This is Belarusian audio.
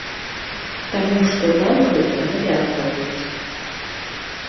Таму што нам гэта навязваюць.